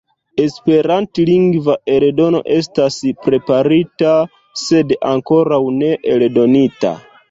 Esperantlingva eldono estas preparita, sed ankoraŭ ne eldonita.